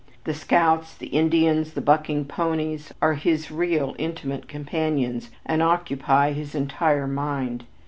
The scouts, the Indians, the bucking ponies, are his real intimate companions and occupy his entire mind.